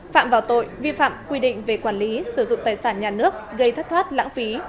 phạm vào tội vi phạm quy định về quản lý sử dụng tài sản nhà nước gây thất thoát lãng phí